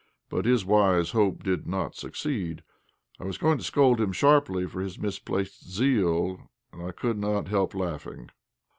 But his wise hope did not succeed. I was going to scold him sharply for his misplaced zeal, and I could not help laughing.